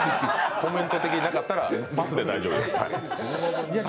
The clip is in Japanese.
コメント的になかったらパスで大丈夫です。